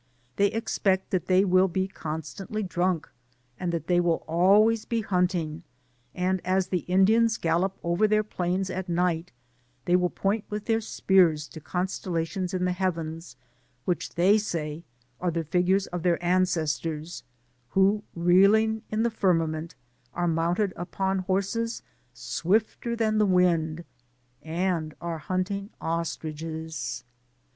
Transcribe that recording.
They expect that they will then be constantly drunk, and that they will always be hunting ; and as the Indians gallop over their plains at night, they will point with their long spears to constella tions in the heavens, which they say are the figures of their Ancestors, who, reeling in the Firmament, are mounted upon horses swifter than the wind, and are hunting ostriches.